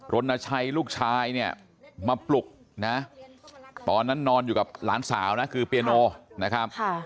รณชัยลูกชายเนี่ยมาปลุกนะตอนนั้นนอนอยู่กับหลานสาวนะคือเปียโนนะครับ